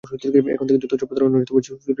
এই থেকেই যত সব প্রতারণা ও চুরি হয়ে থাকে।